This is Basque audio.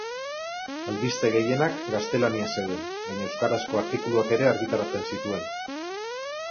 Albiste gehienak gaztelaniaz zeuden, baina euskarazko artikuluak ere argitaratzen zituen.